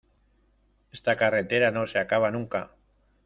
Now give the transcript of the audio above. Esta carretera no se acaba nunca.